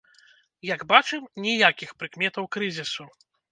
Як бачым, ніякіх прыкметаў крызісу!